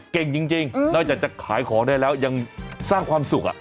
เก่งจริงนอกจากจะขายของได้แล้วยังสร้างความสุข